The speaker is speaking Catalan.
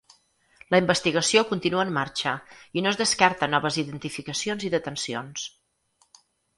La investigació continua en marxa i no es descarta noves identificacions i detencions.